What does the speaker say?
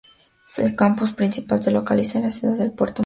Su campus principal se localiza en la ciudad de Puerto Maldonado.